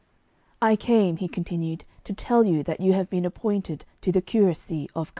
'I came,' he continued, 'to tell you that you have been appointed to the curacy of C